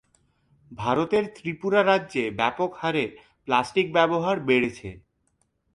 ভারতের ত্রিপুরা রাজ্যে ব্যাপক হারে প্লাস্টিক ব্যবহার বেড়েছে।